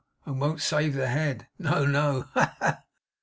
"And won't save the head"! No, no. No! Ha, ha, ha!